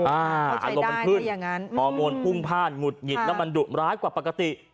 อารมณ์มันขึ้นฮอร์โมนพุ่งพลาดหงุดหงิดแล้วมันดุร้ายกว่าปกติ